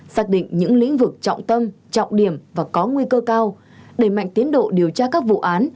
xác định những lĩnh vực trọng tâm trọng điểm và có nguy cơ cao đẩy mạnh tiến độ điều tra các vụ án